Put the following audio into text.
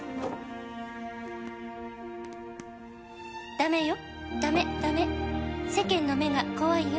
「ダメよダメダメ世間の目が怖いよ」